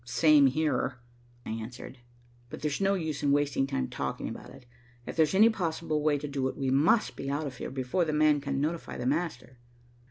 "Same here," I answered, "but there's no use in wasting time talking about it. If there's any possible way to do it, we must be out of here before the man can notify the master."